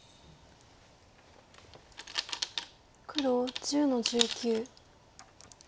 黒１０の十九。